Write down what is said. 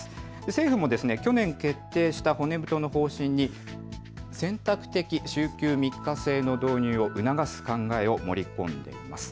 政府も去年、決定した骨太の方針に選択的週休３日制の導入を促す考えを盛り込んでいます。